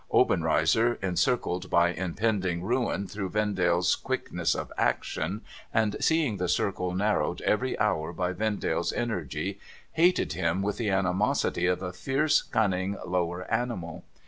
Obenreizer, encircled by impending ruin tlirough Vendale's quickness of action, and seeing the circle narrowed every hour by Vendale's energy, hated him with the animosity of a fierce, cunning lower animal.